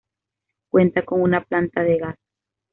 Cuenta con una planta de gas.